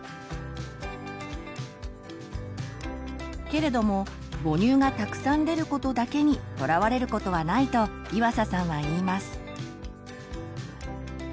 けれども母乳がたくさん出ることだけにとらわれることはないと岩佐さんは言います。